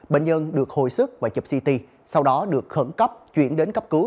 bệnh nhân được hồi sức và chụp ct sau đó được khẩn cấp chuyển đến cấp cứu